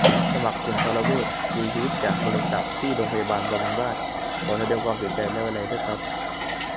สมัคร สุนทรเวช เสียชีวิตจากมะเร็งตับ ที่รพ.บำรุงราษฎร์ ขอแสดงความเสียใจและไว้อาลัยด้วยครับ